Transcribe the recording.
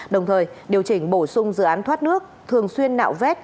đồng thời điều chỉnh bổ sung dự án thoát nước thường xuyên nạo vét